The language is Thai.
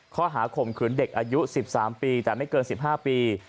ข้อหาข่มขืนเด็กอายุ๑๓ปีแต่ไม่เกิน๑๕ปี